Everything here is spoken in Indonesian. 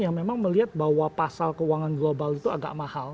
yang memang melihat bahwa pasal keuangan global itu agak mahal